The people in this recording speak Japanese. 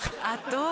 あと。